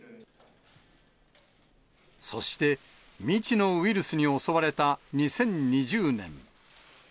そして、未知のウイルスに襲われた２０２０年。